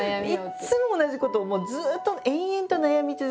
いつも同じことをもうずっと延々と悩み続けてるんですよ。